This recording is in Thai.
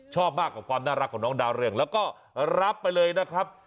ชอบมากกว่าความน่ารักของน้องดาวเรืองแล้วก็รับไปเลยนะครับ